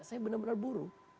saya benar benar buruh